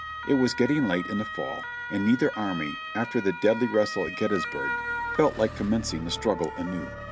It was getting late in the fall, and neither army, after the deadly wrestle at Gettys burg, felt like commencing the struggle anew.